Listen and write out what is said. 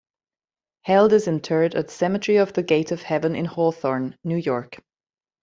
Held is interred at Cemetery of the Gate of Heaven in Hawthorne, New York.